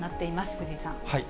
藤井さん。